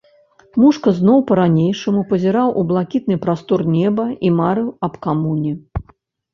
Мушка зноў па-ранейшаму пазіраў у блакітны прастор неба і марыў аб камуне.